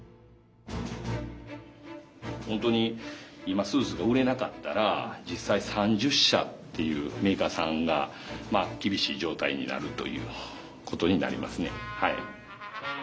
本当に今スーツが売れなかったら実際３０社っていうメーカーさんが厳しい状態になるということになりますね。